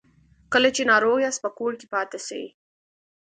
کله چې ناروغ یاست په کور کې پاتې سئ